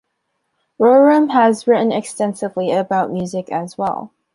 Rorem has written extensively about music as well.